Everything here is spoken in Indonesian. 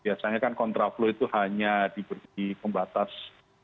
biasanya kan kontraflux itu hanya diberi pembatas